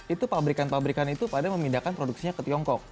itu pabrikan pabrikan itu pada memindahkan produksinya ke tiongkok